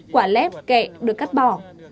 quả lép kẹ được cắt bỏ